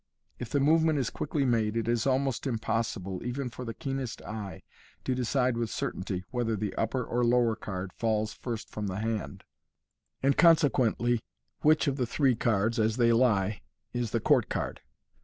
If the move ment is quickly made, it is almost impossible, even for the keenest eye, to decide with certainty whether the upper or lower card falls first from the hand, and consequently which of the three cards, as they lie, is the court card.